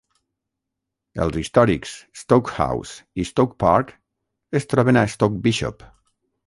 Els històrics Stoke House i Stoke Park es troben a Stoke Bishop.